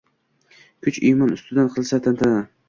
Kuch iymon ustidan qilsa tantana